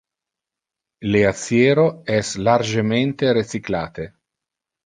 Le aciero es largemente recyclate.